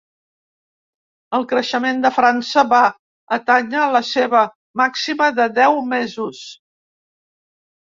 El creixement de França va atènyer la seva màxima de deu mesos.